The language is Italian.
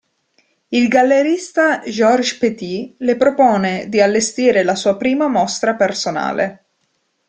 Il gallerista Georges Petit le propone di allestire la sua prima mostra personale.